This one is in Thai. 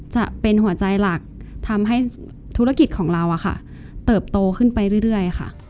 จะเป็นหัวใจหลักทำให้ธุรกิจของเราเติบโตขึ้นไปเรื่อยค่ะ